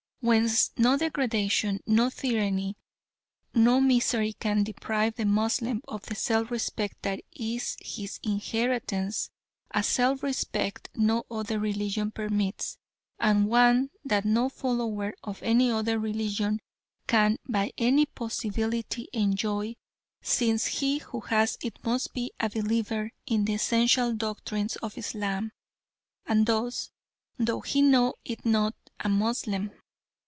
Whence no degradation, no tyranny, no misery can deprive the Moslem of the self respect that is his inheritance a self respect no other religion permits, and one that no follower of any other religion can by any possibility enjoy, since he who has it must be a believer in the essential doctrines of Islam and thus, though he know it not, a Moslem.